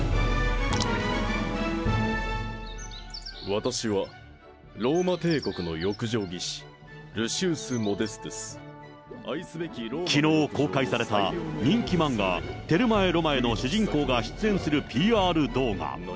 私は、ローマ帝国の浴場技師、きのう公開された、人気漫画、テルマエ・ロマエの主人公が出演するＰＲ動画。